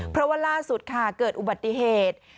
เพราะว่าล่าสุดค่ะเกิดอุบัติเหตุ